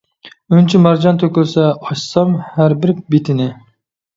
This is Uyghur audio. ئۈنچە-مارجان تۆكۈلسە، ئاچسام ھەر بىر بېتىنى.